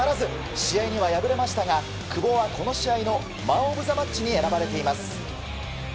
試合には敗れましたが久保は、この試合のマン・オブ・ザ・マッチに選ばれています。